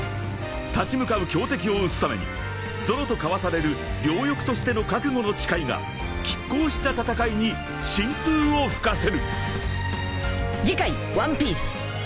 ［立ち向かう強敵を討つためにゾロと交わされる両翼としての覚悟の誓いが拮抗した戦いに新風を吹かせる］